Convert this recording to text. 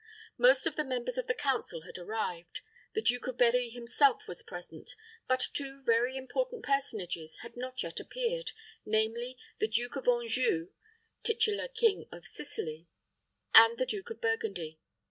Most of the members of the council had arrived; the Duke of Berri himself was present; but two very important personages had not yet appeared, namely, the Duke of Anjou (titular king of Sicily), and the Duke of Burgundy.